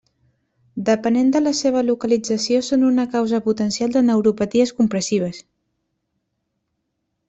Depenent de la seva localització són una causa potencial de neuropaties compressives.